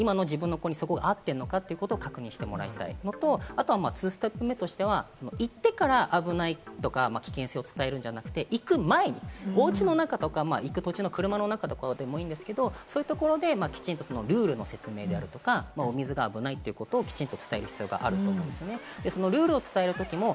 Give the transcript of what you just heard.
自分がそこに合っているのか？ということと、２ステップ目としては、行ってから危ないとか、危険性を伝えるんじゃなくて、行く前に、おうちの中とか、行く土地の車の中とかどこでもいいですけれども、そういったところでルールの説明とか、お水が危ないってことをきちんと伝える必要があると思います。